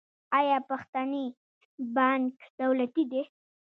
آیا پښتني بانک دولتي دی؟